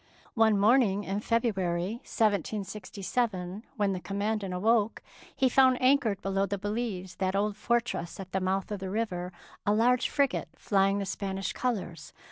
One morning in February, 1767, when the Commandant awoke, he found anchored below the Belize, that old fortress at the mouth of the river, a large frigate flying the Spanish colours.